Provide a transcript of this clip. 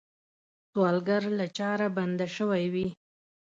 سوالګر له چاره بنده شوی وي